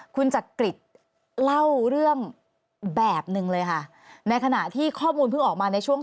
คุณจักริตเล่าเรื่องแบบหนึ่งเลยค่ะในขณะที่ข้อมูลเพิ่งออกมาในช่วง